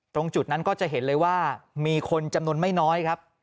ตรงจุดนั้นก็จะเห็นเลยว่ามีคนจำนวนไม่น้อยครับ